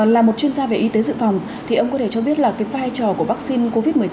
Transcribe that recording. là một chuyên gia về y tế dự phòng thì ông có thể cho biết là cái vai trò của vaccine covid một mươi chín